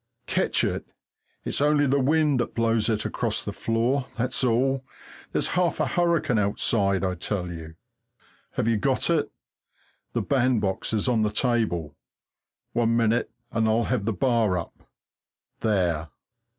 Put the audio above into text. Catch it! it's only the wind that blows it across the floor, that's all there's half a hurricane outside, I tell you! Have you got it? The bandbox is on the table. One minute, and I'll have the bar up. There!